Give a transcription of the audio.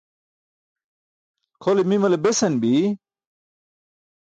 Kʰole mimale besan bi.